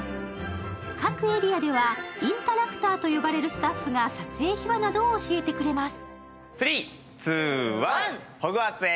各エリアではインタラクターと呼ばれるスタッフが撮影秘話などを教えてくれます。